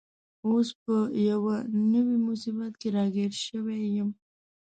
اوس په یوه نوي مصیبت کي راګیر شوی یم.